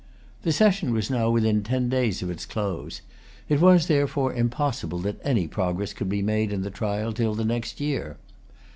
The session was now within ten days of its close. It was, therefore, impossible that any progress could be made in the trial till the next year.